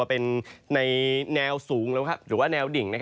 เป็นในแนวสูงหรือว่าแนวดิ่ง